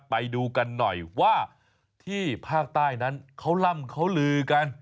ไปดูกันหน่อยว่าที่ภาคใต้นั้นเขาล่ำเขาลือกัน